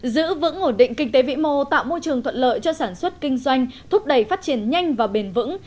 giữ vững ổn định kinh tế vĩ mô tạo môi trường thuận lợi cho sản xuất kinh doanh thúc đẩy phát triển nhanh và bền vững